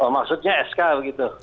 maksudnya sk begitu